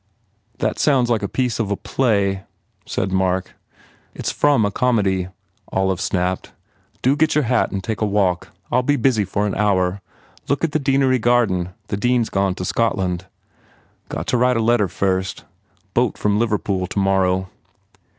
"That sounds like a piece of a play," said Mark. "It s from a comedy," Olive snapped, "Do get 44 HE PROGRESSES your hat and take a walk. I ll be busy for an hour. Look at the Deanery garden. The Dean s gone to Scotland." "Got to write a letter first. Boat from Liver pool tomorrow."